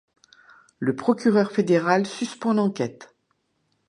Le le procureur fédéral suspend l'enquête.